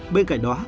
bên cạnh đó